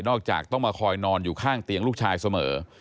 จากต้องมาคอยนอนอยู่ข้างเตียงลูกชายเสมอ